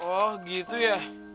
oh gitu ya